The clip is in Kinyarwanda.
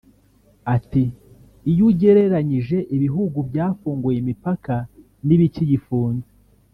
Ati “Iyo ugereranyije ibihugu byafunguye imipaka n’ibikiyifunze